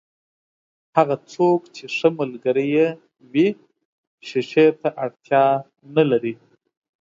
هغه څوک چې ښه ملګری يې وي، شیشې ته اړتیا نلري.